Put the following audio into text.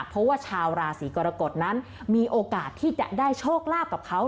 เพราะว่าชาวราศีกรกฎนั้นมีโอกาสที่จะได้โชคลาภกับเขา